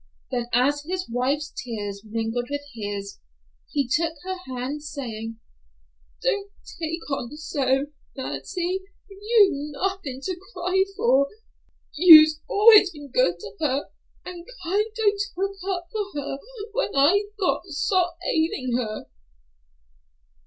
Then as his wife's tears mingled with his, he took her hand, saying, "Don't take on so, Nancy, you've nothin' to cry for. You's always good to her and kind o' took up for her when I got sot ag'in her."